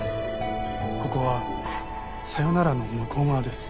ここはさよならの向う側です。